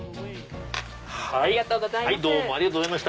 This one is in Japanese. ありがとうございます。